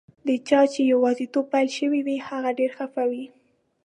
د چا چي یوازیتوب پیل شوی وي، هغه ډېر خفه وي.